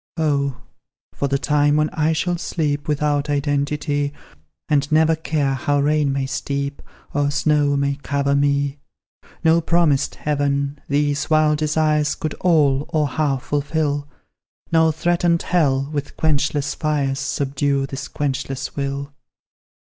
"Oh, for the time when I shall sleep Without identity. And never care how rain may steep, Or snow may cover me! No promised heaven, these wild desires Could all, or half fulfil; No threatened hell, with quenchless fires, Subdue this quenchless will!"